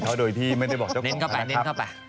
เท่าโดยที่ไม่ได้บอกเจ้าคงนะครับ